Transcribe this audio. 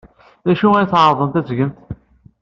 D acu ay tɛerḍemt ad t-tgemt?